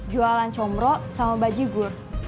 jualan comrok sama baji gur